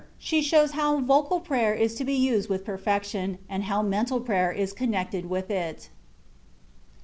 SHE SHOWS HOW VOCAL PRAYER IS TO BE USED WITH PERFEC TION, AND HOW MENTAL PRAYER IS CONNECTED WITH IT.